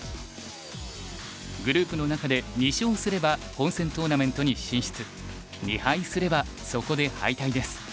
グループの中で２勝すれば本戦トーナメントに進出２敗すればそこで敗退です。